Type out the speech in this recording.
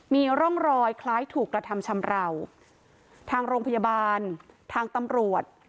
มีร่องรอยคล้ายถูกกระทำชำราวทางโรงพยาบาลทางตำรวจ